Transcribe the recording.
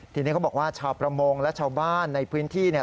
ทีนี้เขาบอกว่าชาวประมงและชาวบ้านในพื้นที่เนี่ย